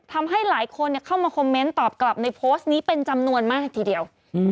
ทำให้หลายคนเข้ามาคอมเมนต์ตอบกลับในโพสต์นี้เป็นจำนวนมากทีเดียว